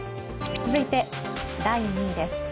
続いて第２位です。